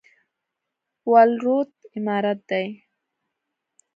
ولورت عمارت دی؟